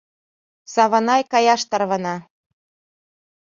— Саванай каяш тарвана.